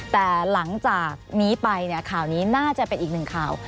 แต่หลังจากนี้ไปเนี่ยข่าวนี้น่าจะเป็นอีกหนึ่งข่าว